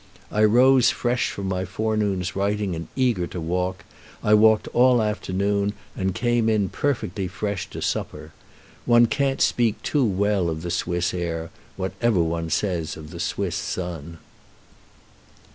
I rose fresh from my forenoon's writing and eager to walk; I walked all afternoon, and came in perfectly fresh to supper. One can't speak too well of the Swiss air, whatever one says of the Swiss sun.